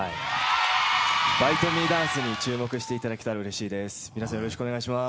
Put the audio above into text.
「Ｂｉｔｅｍｅ」ダンスに注目していただけたらうれしいです。